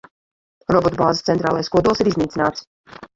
Robotu bāzes centrālais kodols ir iznīcināts.